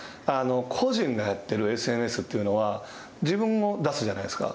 個人がやってるＳＮＳというのは自分を出すじゃないですか。